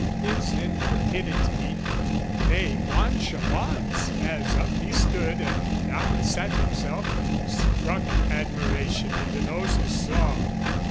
"His intrepidity, nay, nonchalance, "As up he stood and down he sat himself, "Struck admiration into those who saw.